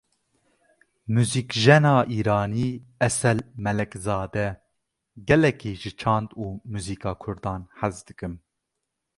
Muzîkjena Îranî Esel Melekzade; gelekî ji çand û muzîka Kurdan hez dikim.